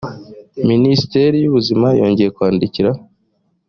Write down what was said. minisiteri y ubuzima yongeye kwandikira